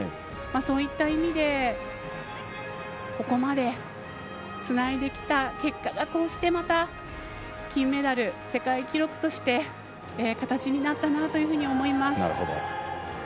そういった意味でここまでつないできた結果がこうしてまた、金メダル世界記録として形になったなというふうに思います。